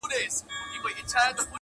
چي یې زړه شي په هغه اور کي سوځېږم،